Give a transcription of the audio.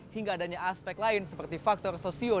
hingga adanya aspek lain seperti fad yang menyebabkan kegagalan